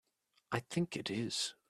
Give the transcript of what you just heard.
I think it is.